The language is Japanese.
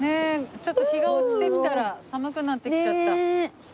ちょっと日が落ちてきたら寒くなってきちゃった。